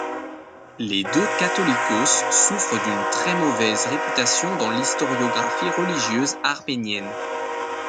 Les deux Catholicos souffrent d’une très mauvaise réputation dans l’historiographie religieuse arménienne.